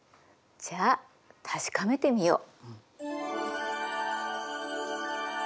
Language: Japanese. じゃあ確かめてみよう！